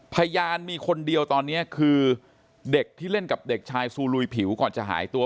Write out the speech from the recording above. พยานมีคนเดียวตอนนี้คือเด็กที่เล่นกับเด็กชายซูลุยผิวก่อนจะหายตัว